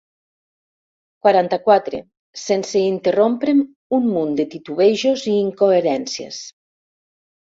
Quaranta-quatre sense interrompre'm un munt de titubejos i incoherències.